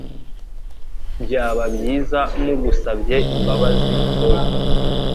Byaba byiza mugusabye imbabazi Tom.